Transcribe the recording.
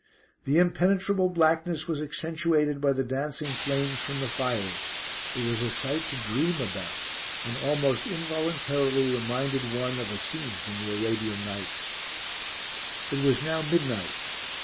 The impenetrable blackness was accentuated by the dancing flames from the fires. It was a sight to dream about; and almost involuntarily reminded one of a scene from the Arabian Nights. It was now midnight.